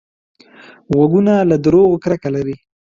غوږونه له دروغو کرکه لري